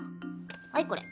はいこれ。